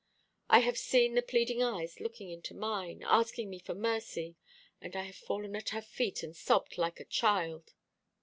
I have seen the pleading eyes looking into mine, asking me for mercy, and I have fallen at her feet and sobbed like a child.